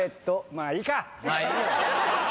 まあいいよ。